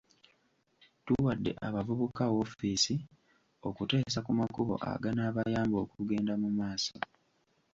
Tuwadde abavubuka woofiisi okuteesa ku makubo aganaabayamba okugenda mu maaso.